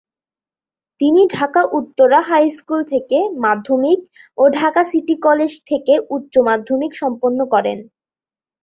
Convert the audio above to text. তিনি ঢাকা উত্তরা হাইস্কুল থেকে মাধ্যমিক ও ঢাকা সিটি কলেজ থেকে উচ্চ মাধ্যমিক সম্পন্ন করেন।